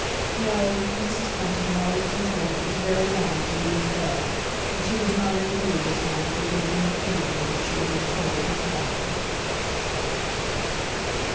No, Mrs. Bunting had always been told it was very wrong to read in bed, and she was not in a mood just now to begin doing anything that she had been told was wrong.